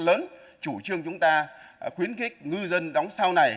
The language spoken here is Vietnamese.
lớn chủ trương chúng ta khuyến khích ngư dân đóng sau này